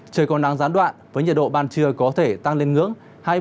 trời còn nắng gián đoạn với nhiệt độ ban trưa có thể tăng lên ngưỡng